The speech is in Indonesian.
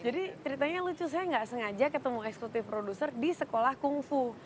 jadi ceritanya lucu saya nggak sengaja ketemu eksekutif produser di sekolah kung fu